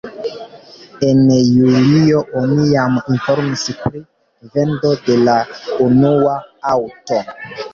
En julio oni jam informis pri vendo de la unua aŭto.